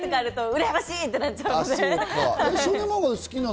うらやましいってなっちゃうので。